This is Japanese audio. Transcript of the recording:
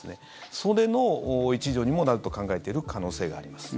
それの一助にもなると考えている可能性があります。